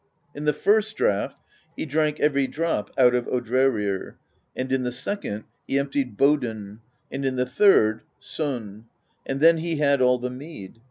In the first draught he drank every drop out of Odrerir; and in the second, he emptied Bodn^ and in the third. Son; and then he had all the mead.